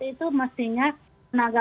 itu mestinya tenaga